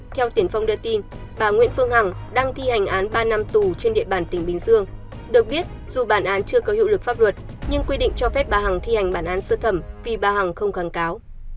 theo tiền phong đưa tin bà nguyễn phương hằng đang thi hành án ba năm tù trên địa bàn tỉnh bình dương được biết dù bản án chưa có hiệu lực pháp luật nhưng quy định cho phép bà hằng thi hành bản án sơ thẩm vì bà hằng không kháng cáo